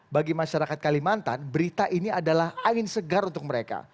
bagi masyarakat kalimantan berita ini adalah angin segar untuk mereka